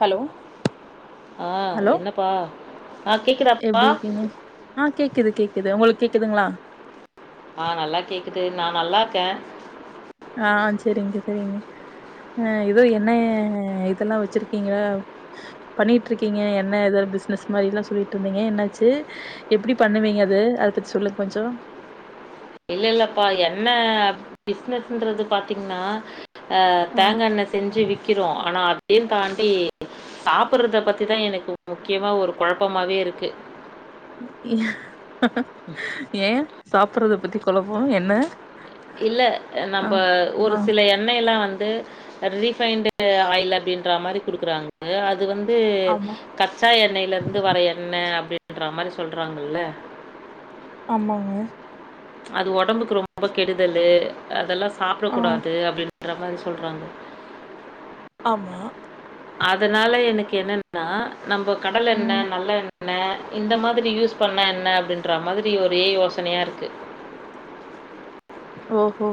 Hello ஆ hello என்னப்பா ஆ கேக்குதாப்பா எப்டி இருக்கீங்க ஆ கேக்குது கேக்குது உங்களுக்கு கேக்குதுங்ளா ஆ நல்லா கேக்குது நா நல்லார்க்கே ஆ செரிங்க செரிங்க அ இதோ எண்ணெ இதெல்லா வெச்சிருக்கிங்களா பண்ணிட்ருக்கிங்க எண்ணெ எதாவது பிசினஸ் மாரி எல்லா சொல்லிட்ருந்திங்க என்னாச்சு எப்படி பண்ணுவிங்க அது அத பத்தி சொல்லுங்க கொஞ்ச இல்ல இல்லப்பா என்ன பிசினஸ்ன்றது பாத்திங்னா அ ஆ தேங்கெண்ணெ செஞ்சு விக்கிறோ ஆனா அதையு தாண்டி சாப்பிடுறத பத்திதா எனக்கு முக்கியமா ஒரு கொழப்பமாவே இருக்கு ஏ சாப்படுறது பத்தி கொழப்ப என்ன இல்ல ஆ நம்ப ஒரு ஆ சில எ ண்ணெயலா வந்து ரீஃபைன்டு ஆயில் அப்டின்ற மாரி குடுக்கறாங்க அது வந் து ஆமா கச்சா எண்ணெயில இருந்து வர எண்ணெ அப்படின்ற மாரி சொல்றாங்கல்ல ஆமாங்க அது ஒடம்புக்கு ரொம்ப கெடுதலு அதெல்லா சாப்டக் ஆ கூடாது அப்படின்ற மாரி சொல்றாங்க ஆமா அதனால எனக்கு என்னன்னா நம்ப கடலெண்ணெ ம் நல்ல எண் ணெ இந்த மாதிரி யூஸ் பண்ணா என்ன அப்படின்ற மாதிரி ஒரே யோசனையா இருக்கு ஓஹோ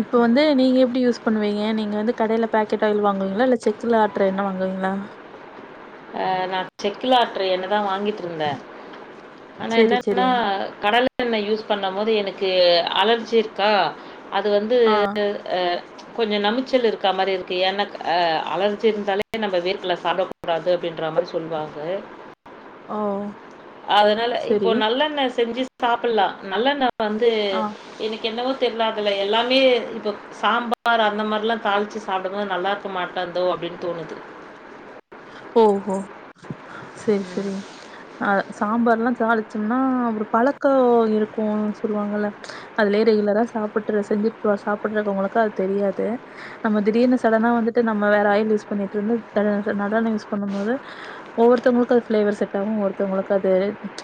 இப்ப வந்து நீங்க எப்டி யூஸ் என் பண்ணுவிங்க நீங்க வந்து கடையில பேக்கெட் ஆயில் வாங்குவிங்களா இல்ல செக்குல ஆட்ற எண்ணெ வாங்குவிங்களா அ நா செக்குல ஆட்ற எண்ணெதா வாங்கி ட்ருந்த ஆனா செரி செரி என்னன்னா கடலெ ண்ண யூஸ் பண்ணும்போது எனக்கு அலர்ஜி இருக்கா அது வந்து ஆ அ கொஞ்ச நமிச்சல் இருக்கா மாரி இருக்கு ஏன்னா அ அலர்ஜி இருந்தாலே நம்ம வேர்கல சாப்ட கூடாது அப்டின்ற மாரி சொல்வாங்க ஓ அதனால இப்போ செரி நல்லெண்ணெ செஞ்சு சாப்பல்லா நல்லெண்ண வந்து ஆ எனக்கு என்னவோ தெர்ல அதுல எல்லாமே இப்ப சாம்பார் அந்த மார்லா தாளிச்சு சாப்டும் போது நல்லாருக்க மாட்டாந்தோ அப்படின்னு தோணுது ஓஹோ செரி செரி அ சாம்பார்ல்லா தாளிச்சம்னா ஒரு பழக்கோ இருக்கு சொல்லுவாங்கல்ல அதுலயே ரெகுலரா சாப்பிட்டு செஞ்சு சாப்பிடுறவங்களுக்கு அது தெரியாது நம்ம திடீர்னு சடனா வந்துட்டு நம்ம வேற ஆயில் யூஸ் பண்ணிட்ருந்து த நல்லெண்ண யூஸ் பண்ணும் போது ஒவ்வொருவத்தவங்களுக்கு அது ஃபிளேவர் செட் ஆகு ஒவ்வொருத்தவங்களுக்கு அது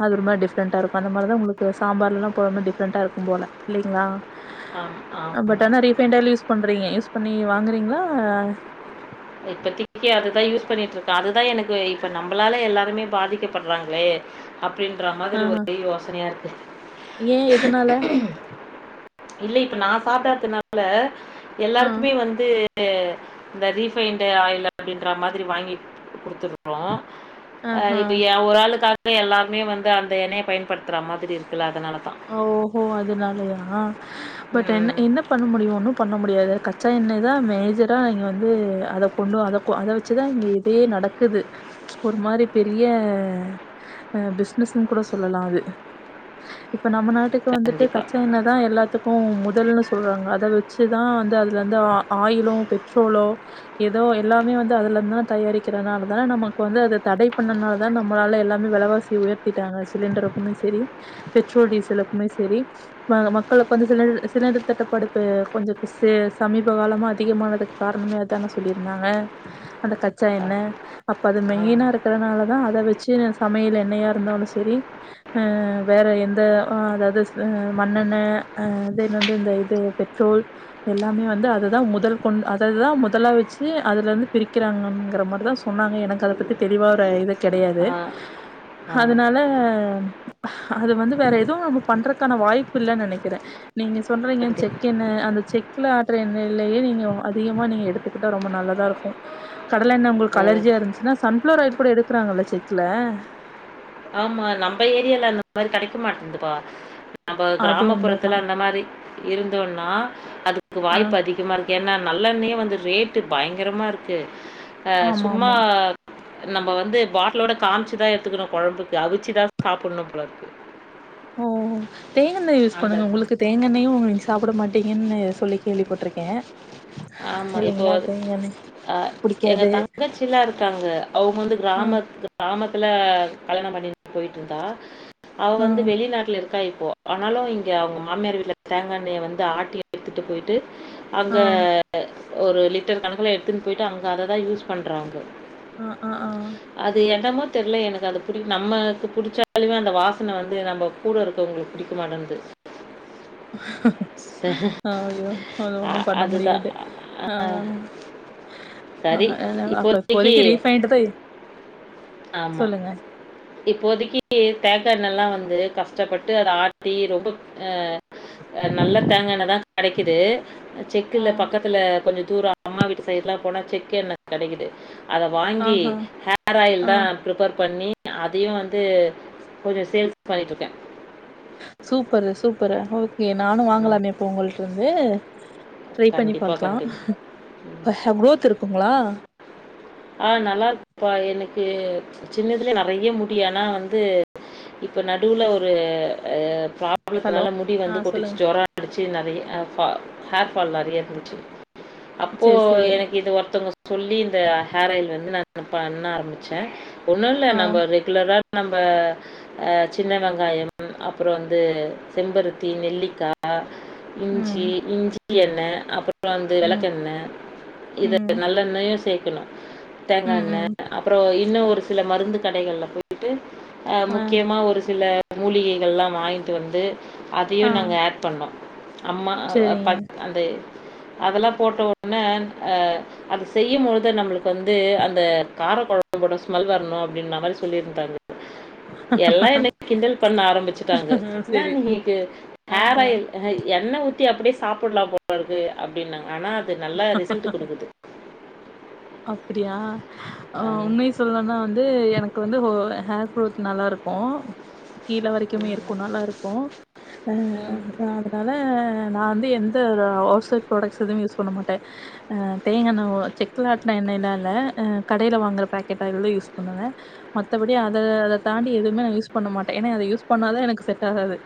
அது ஒரு மாரி டிஃபரண்டா இருக்கு அந்த மாரிதா உங்களுக்கு சாம்பார்லல்லா போடம்போது டிஃப்ரெண்டா இருக்கும் போல இல்லைங்ளா ஆமா ஆமா பட் ஆனா ரீஃபைண்ட் ஆயில் யூஸ் பண்றீங்க யூஸ் பண்ணி வாங்குறீங்களா இப்பதிக்கி அதுதான் யூஸ் பண்ணிட்டு இருக்க அதுதான் எனக்கு இப்ப நம்மளால எல்லாருமே பாதிக்கப்படுறாங்களே அப்டின்ற ஆ மாதிரி ஒரே யோசனையா இருக்கு ஏ எதனால இல்ல இப்ப நான் சாப்டாதுனால ஆ எல்லாருக்குமே வந்து இந்த ரீ இப்ப இந்த ஆயில் அப்டின்ற மாதிரி வாங்கி குடுத்துட்டு இருக்குறோம் ஆ ஆஹா இப்ப ஒரு ஆளுக்காக எல்லாருமே வந்து அந்த எண்ணையை பயன்படுத்துற மாதிரி இருக்குல்ல அதனாலதா ஓஹோ அதனாலயா பட் என்ன ம் என்ன பண்ண முடியு ஒன்னு பண்ண முடியாது கச்சா எண்ணெய் தான் மேஜரா நீங்கள் வந்து அதை கொண்டும் அதை அதை வச்சு தான் இங்கே இதே நடக்க இருக்குது ஒரு மாதிரி பெரிய அ பிசினஸ்ன்னு கூட சொல்லலாம் அது இப்ப நம்ம நாட்டுக்கு வந்துட்டு கண்டிப்பாக கச்சா எண்ணெய் தான் எல்லாத்துக் கும் முதல்னு சொல்றாங்க அதை வச்சுதான் வந்து அதுலருந்து ஆயிலும் பெட்ரோலோ ஏதோ எல்லாமே வந்து அதுல இருந்து தான் தயாரிக்கிறதுனால தானே நமக்கு வந்து அத தடை பண்ணனால தான் நம்மளால எல்லாமே வெலவாசி சி உயர்த்திட்டாங்க சிலிண்டருக்குமே சேரி பெட்ரோல் டீசலுக்குமே சேரி ம மக்களுக்கு வந்து சிலிண்டர் தட்டுப்பாடுப்பு கொஞ்சம் சமீப காலமா அதிகமா காரணமே அதான் சொல்லியிருந்தாங்க அந்த கச்சா என்ன அப்ப அது மெயினா ஆ இருக்கறனாலதான் அத வச்சு சமையல் என்னயா இருந்தாலும் செரி அ வேற என் இந்த ஆ அதாவது மண்ணெண்ண ஆ அது வந்து இந்த இது பெட்ரோல் எல்லாமே வந்து அதுதான் முதல் கொண்டு அதுதான் முதலா வச்சு அதுல இருந்து பிரிக்கிறாங்கங்கிற மாரிதான் சொன்னாங்க எனக்கு அத பத்தி தெளிவாற இத கிடையாது ஆ ஆ அதனால அது வந்து வேற எதுவும் நம்ம பண்றதுக்கான வாய்ப்பு இல்லனு நினைக்கிறேன் நீங்க சொல்றீங்க செக் கண்டிப்பாக எண்ண அந்த செக்ல ஆட்டுற எண்ணயிலையே நீங்க அதிகமா நீங்க எடுத் துக்கிட்டா ரொம்ப நல்லதா இருக்கும் கடலை எண்ணை உங்களுக்கு அலர்ஜியா இருந்துச்சுன்னா சன்ஃப்ளவர் ஆயில் கூட எடுக்கிறாங்கள செக்ல ஆமா நம்ம ஏரியால அந்த மாரி கிடைக்க மாட்டேதுப்பா நம்ம அது உண்மதா கிராமப்புறத்துல அந்த மாரி இருந்தோம்னா அதுக்கு ஆ வாய்ப்பு அதிகமா இருக் ஏன்னா நல்லெண்ணயே வந்து ரேட்டு பயங்கரமாக இருக்கு ஆ ஆமா சும்மா ஆமா நம்ம வந்து பாட்டிலோட காமிச்சுதான் எடுத்துக்கணும் குழம்புக்கு அவிச்சுதான் சாப்பிடணும் போல இருக்கு ஓ தேங்கா எண்ணெய் யூஸ் அந்த பண்ணுங்க உங்களுக்கு தேங்கண்ணயையும் உங்களுக்கு சாப்பிட மாட்டீங்கன்னு சொல்லி கேள்விப்பட்டிருக்கேன் ஆமா இப்போ அ எங்க புடிக்காது தங்கச்சிலா இருக்காங்க அவங்க வந்து ஆ கிராமத் கிராமத்துல கல்யாணம் பண்ணிட்டு போய்ட்டு இருந்தா அவ ஆ வந்து வெளிநாட்ல இருக் குறாயிப்போ ஆனாலும் இங்க அவங்க மாமியார் வீட்ல தேங்காய்ண்ணையை வந்து ஆட்டி எடுத்துட்டு போயிட்டு அங்க ஆ ஒரு லிட்டர் கணக்கில்ல எடுத்துன்னு போயி்ட்டு அங்க அத தான் யூஸ் பண்றாங்க ஆ ஆ ஆ அது என்னமோ தெர்ல எனக்கு அது புடி நம்மக்கு புடிச்சாலுமே அந்த வாசனை வந்து நம்ம கூட இருக்குரவங்கலுக்கு புடிக்க மாட்டேங்குது அது அ ஒண்ணும் பண்ண அதுதான். முடியாது ஆ ஆ அப்போ இப்போதைக்கு ரீஃபைண்டுதா ஆமா இப்போதைக்கு தேங்கா எண்ணல்லாம் வந்து கஷ்டப்பட்டு அதை ஆட்டி ரொம்ப அ அதலா நல்ல தேங்கா எண்ணை தா கிடைக்குது ஆ செக்குல பக்கத்துல கொஞ்ச தூர அம்மா வீட்டு சைடு எல்லா போனா செக்கு எண்ணா கெடைக்குது அத வாங்கி ஆஹா ஹேர் ஆயில் ஆ தா ப்ரிப்பேர் பண்ணி அதயு வந்து கொஞ்சோ சேல்ஸ் பண்ணிகிட்டுருக்கே சூப்பரு சூப்பரு ஓகே நானு ம், வாங்கலான இப்போ உங்கட்ட இருந்து ட்ரை பண்ணி கண்டிப்பா பாக்கலா கண்டிப்பா ம். குரோத் இருக்குங்களா ஆ நல்லாருக்குப்பா எனக்கு சின்னதுலயே நெறய முடியு ஆனா வந்து இப்ப நடுல ஒரு ஆ ஹலோ ப்ராப்ளத்தனால முடி வந்து ஆ சொல்லுங்க கொட்டச்சு ஜொர படிச்சு நிறைய ஹேர் பா ஃபால் நேறய இருந்துச்சு அப்போ சேரி சேரி எனக்கு இது ஒருத்தவங்க சொல்லி இந்த ஹேர் ஆயில் வந்து நான் ப பண்ண ஆரம்பிச்சே ஒண்ணு இல்ல ஆ நம்ம ரெகுலரா நம்ம அ சின்னவெங்காய அப்புற வந்து செம்பருத்தி நெல்லிக்கா இஞ்சி ம் இஞ்சி எண்ணெ அப்புற அந்து வந்து ம் விளக்கெண்ணெ இ ம் நல்லெண்ணயு சேர்க்கணு தேங்காஎண்ணய் ம் அப்புறம இன்னு ம் ஒரு சில மருந்து கடைகள்ல போய் இட்டு ஆ முக்கியமாக ஒரு சில மூலிகைகள்ல வாங்கிட்டு வந்து அதயு ஆ நாங்க ஆட் பண்ணோ அம்மா செரிங்க [unintelligible] அந்த அதெல்லா போட்ட உடன அதது செய்யுபோது நம்மளுக்கு வந்து அந்த கார குழம்ப போட ஸ்மெல் வரணு அப்டின்ன லெவல் சொல்லிருந்தாரு எல்லா என்ன கிண்டல் பண்ண ஆரம்பிச்சுட்டாங்கான் என்ன செரி நீங்கக்கு ஹேர் ஆஹா ஆயில் எண்ணெய் ஊற்றி அப்டியே சாப்பிடலா போகலருக்கு அப்டின்னாங்க ஆனால் அது நல்லா ரிசல்ட் கொடுக்குது அப்டியா ஆ மிஸ் சொல்லனே வந்து எனக்கு வந்து ஹேர் குரோத் நல்லா இருக்கு கீழ வரைக்குமே ம், இருக்கு நல்லா இருக்கு ஆ ம். அதனால நா வந்து எந்த ஓரு ஹோல்சேல் ப்ராடக்ட்ஸ் எதுவு யூஸ் பண்ண மாட்டே அ தேங்க எண்ணொ செக் செக்களாட்டின எண்ணெலா இல்ல கடைல வாங்குற பேக்கேட்டா ஆயில் தா யூஸ் பண்ணுவே மத்தபடி அத அத தாண்டி எதுவுமே நா யூஸ் பண்ண மாட்டே ஏன்னா அத யூஸ் பண்ணாவே எனக்கு செட் ஆகாது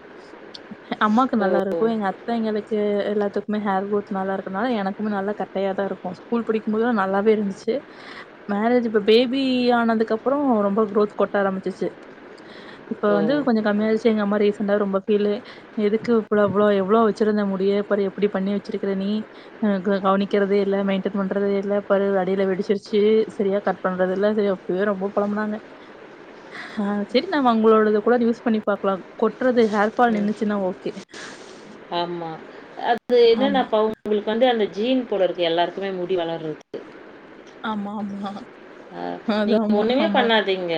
அம்மாக்கு ஓ நல்லா இருக்கு எங்க அத்தங்களுகு எல்லாத்துக்குமே ஹேர் குரோத் நல்லா இருக்கனால எனக்குமே நல்லா க கட்டாயா தா இருக்க ஸ்கூல் படிக்குபோது நல்லாதா இருந்துச்சு மேரேஜ் இப்ப பேபி ஆனதுக்கு அப்புறோ ரொம்ப குரோத் கொட்ட ஆரம்பிச்சிச்சு இப்ப ஓ வந்து கொஞ்சோ கம்மியாருச்சு எங்கம்மா ரீசன்ண்டா ரொம்ப ஃபீல் எதுக்கு இவ்ளோ எவ்ளோ வேச்சுருந்தா மூடிய பாரு எப்டி பண்ணி வேச்சுருக்கா நீ கவனிக்கதே இல்ல மெயின்டன் பண் பன்றது இல்ல பரு அடியில வெடிச்சிருச்சு சேரியா கட் பண்றது இல்ல சேரி அப்பயே ரொம்ப புழம்புனாங்க ஆ சரி நம்ம ஒங்களோட கூட யூஸ் பண்ணி பாக்கலா கொட்றது ஹேர் அப்பா ம், நின்ச்சுன்னா ஓகே ஆமா அது என்னன்னா ஆமா பங்க உங்களுக்கு வந்து அந்த ஜீன் போடுறக்கு எல்லாருக்குமே முடி வளரது ஆமா ஆமா அது நீங்க ஆமா ஒண்ணுமே ஆமா பண்ணாதீங்க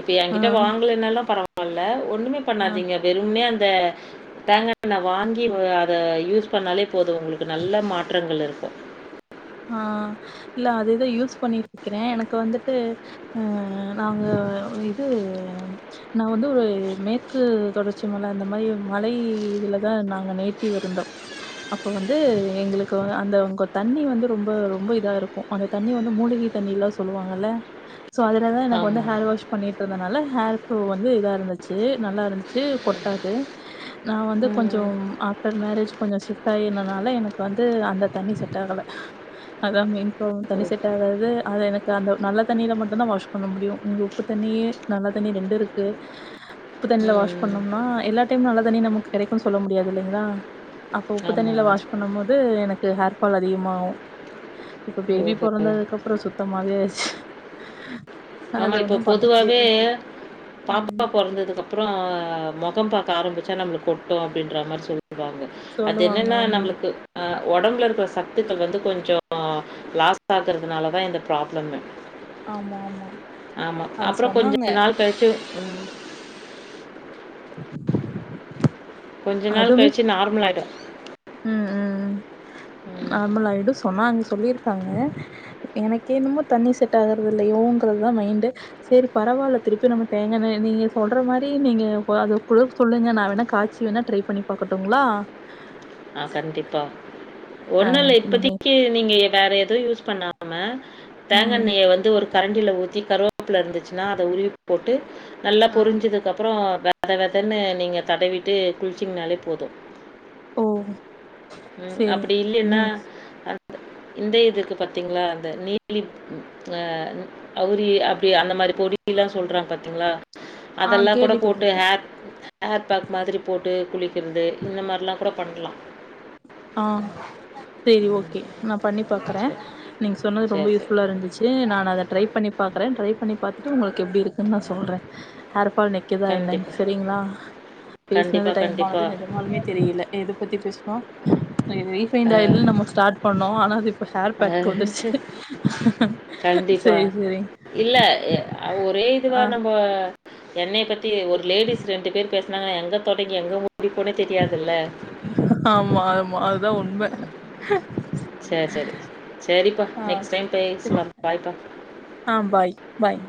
இப்ப ஆ என்கிட்ட வாங்களனு பரவாலா ல ஒண்ணுமே ஆ பண்ணாதீங்க வெறும்மே அந்த தேங்காய்ண்ண வாங்கி அத யூஸ் பண்ணாலே போது உங்களுக்க நல்ல மாற்றங்கள் இருக்கு ஆ இல்ல அததேது யூஸ் பண்ணிட்டு இருக்கிறே எனக்கு வந்துட்டு அ நாங்க இது நா வந்து ஒரு மேற்கு தொடர்ச்சி மல அந்த மாரி மலை இதுலதா நாங்க நேட்டிவ் இருந்தோ அப்ப வந்து எங்களுக்கு அந்த உங்க தண்ணி வந்து ரொம்ப ரொம்ப இதா இருக்கும் அந்த தண்ணி வந்து மூலிகை தண்ணி எல்லா சொல்லுவாங்கல சோ அதுல தான் எனக்கு வந்து ஆமா ஹேர் வாஷ் பண்ணிட்டு இருந்ததுனால ஹேர் ஃப்ரோ வந்து இதா இருந்துச்சு நல்லா இருந்துச்சு கொட்டாது நான் வந்து ம் கொஞ்சம் ஆஃப்டர் மேரேஜ் கொஞ்சம் ஷிஃப்ட் ஆகி இருந்ததுனால எனக்கு வந்து அந்த தண்ணி செட் ஆகல அதான் மென் ப்ராப்ளம் ஓ தனி செட் ஆகாது அது எனக்கு அந்த நல்ல தண்ணியில மட்டும்தான் வாஷ் பண்ண முடியும் நீங்க உப்பு தண்ணி நல்லா தண்ணி ரெண்டும் இருக்கு உப்பு தண்ணியில வாஷ் ம் பண்ணும்னா எல்லாம் டைம்மும் நல்லா தண்ணியே நமக்கு கிடைக்கும்னு சொல்ல முடியாது இல்லைங்களா அப்ப உப்பு ஆமா. தண்ணியில வாஷ் பண்ணும் போது எனக்கு ஹேர்ஃபால் அதிகமாகும் இப்ப பேபி ஓஹோ! பொறந்ததுக்கு அப்புறம் சுத்தமாவே ஆச்சு நம்ம இப்போ பொதுவாவே ம் பாப்பா பொறந்ததுக்கு அப்புறம் அப்புறம் முகம் பார்க்க ஆரம்பமிச் நம்மளுக்கு கொட்டும் அப்படியின்ற மாதிரி சொல்லுவாங்க அது சொல்லுவாங்க என்னன்னா ஆமா நம்மளுக்கு ஆ உடம்புல இருக்கிற சத்துகள் வந்து கொஞ்சம் லாஸ் ஆகுறதுனால தான் இந்த ப்ராப்ளம் ஆமா ஆமா ஆமா அது அப்புறம் சொன்னாங்க கொஞ்சம் நாள் கழிச்சு [inaudible] கொஞ்ச நாள் கழிச்சு நார்மல் ஆகியிடும் உஹம் உம் ம். நார்மல் ஆயிடும் சொன்னா சொல்லி இருப்பாங்க எனக்கு என்னமோ தண்ணி செட் ஆகுறது இல்லையோங்கறது தான் மைண்டு சேரி பரவாயில்ல திருப்பி நம்ம தேங்காய் எண்ணெய் நீங்க சொல்ற மாதிரி நீங்க அதற்கு சொல்லுங்க நான் வேணா காய்ச்சி வேணா ட்ரை பண்ணி பார்க்கட்டும்ங்களா ஆஹ் கண்டிப்பா ஒண்ணும் இல்ல இந்த மாரி இப்போதைக்கு நீங்க வேற எதுவும் யூஸ் பண்ணாம தேங்காய் ம் எண்ணெய்யை வந்து ஒரு கரண்டில ஊத்தி கருவேப்பிலை இருந்துச்சுன்னா அதை உருவி போட்டு நல்லா ஆ பொரிஞ்சதுக்கு அப்புறம் அதை வெதுவெதுன்னு நீங்கள் தடவிட்டு குளிச்சிங்கனாலே போதும் ஓ ம் சேரி அப்படி இல்லைன்னா நீங் அந்த இந்த இது இருக்கு பாத்திங்களா அந்த நீலி அஹ அவுரி அப்படி அந்த மாதிரி பொடி எல்லாம் சொல்றாங்க பார்த்தீங்களா ஆ அது எல்லாம் கூட போட்டு கேள்விப்பட்ருக்கே ஹேர் ஹேர் பேக் மாதிரி போட்டு குளிக்கிறது இந்த மாதிரிலாம் கூட பண்ணலாம் ஆ சேரி ம். ஓகே நான் பண்ணி பார்க்குறேன் சரி, நீங்க சொன்னது சரி, ரொம்ப சரி. யூஸ்ஃபுல்லா இருந்துச்சு நான் அதை ட்ரை பண்ணி பார்க்குறேன் ட்ரை பண்ணி பார்த்துட்டு உங்களுக்கு எப்படி இருக்குது நான் சொல்றேன் ஹேர் பேக் ஒகே கண்டிப்பா. என்னன்னு சேரிங்களா பேசினது கண்டிப்பா, டைம் கண்டிப்பா. ஆனது நெஜமாலுமே தெரியுல எதை பத்தி பேசுனோம் அ ரீபைண்ட ஆயில் நம்ம ஸ்டார்ட் பண்ணோம் ஆன ஹேர் அ பேக் வந்துருச்சு கண்டிப்பா. சேரி சேரி இல்ல ஒரே இதுவா ஆ நம்ம எண்ணெய்ய பத்தி ஒரு லேடிஸ் ரெண்டு பேர் பேசினாங்கா எங்க தொடங்கி எங்க முடிப்போனும் தெரியாதுல்ல ஆமா ஆமா அதுதான் உண்மை சேரி சேரி சேரிப்பா நெக்ஸ்ட் டைம் பேசலாம் பாய் பா ஆஹ் பாய் பாய்